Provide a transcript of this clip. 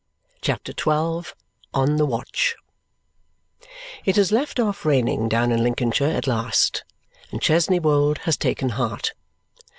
CHAPTER XII On the Watch It has left off raining down in Lincolnshire at last, and Chesney Wold has taken heart.